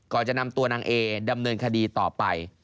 จะนำตัวนางเอดำเนินคดีต่อไป